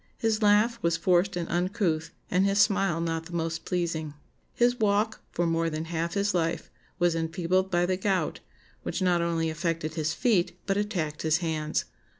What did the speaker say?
His laugh was forced and uncouth, and his smile not the most pleasing. His walk, for more than half his life, was enfeebled by the gout, which not only affected his feet, but attacked his hands.